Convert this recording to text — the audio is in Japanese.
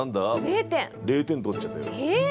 ０点取っちゃってる。